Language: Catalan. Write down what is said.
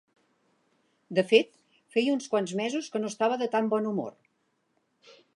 De fet, feia uns quants mesos que no estava de tan bon humor.